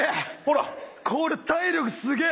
これ体力すげえ！